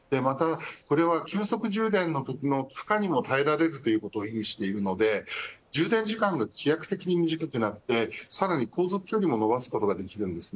これは急速充電の負荷にも耐えられることを意味していますので充電時間が飛躍的に短くなってさらに航続距離も伸ばすことができます。